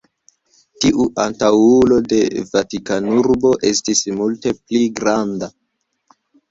Tiu antaŭulo de Vatikanurbo estis multe pli granda.